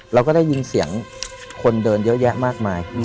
เราก็ได้ยินเสียงคนเดินเยอะแยะมากมาย